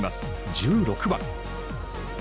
１６番。